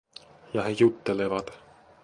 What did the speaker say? Ja he juttelevat.